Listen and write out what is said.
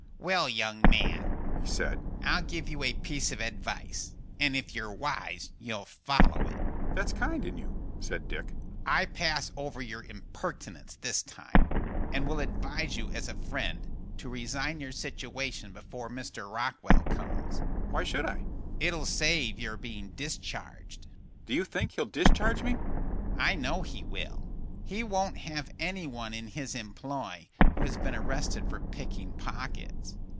"Well, young man," he said, "I'll give you a piece of advice, and if you're wise you'll follow it." "That's kind in you," said Dick. "I pass over your impertinence this time, and will advise you as a friend to resign your situation before Mr. Rockwell comes." "Why should I?" "It'll save your being discharged." "Do you think he'll discharge me?" "I know he will. He won't have any one in his employ who has been arrested for picking pockets."